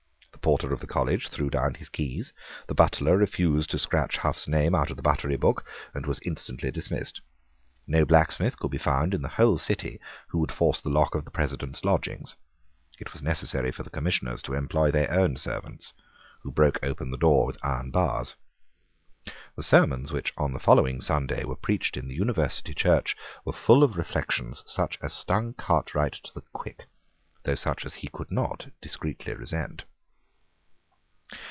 The porter of the college threw down his keys. The butler refused to scratch Hough's name out of the buttery book, and was instantly dismissed. No blacksmith could be found in the whole city who would force the lock of the President's lodgings. It was necessary for the Commissioners to employ their own servants, who broke open the door with iron bars. The sermons which on the following Sunday were preached in the University church were full of reflections such as stung Cartwright to the quick, though such as he could not discreetly resent.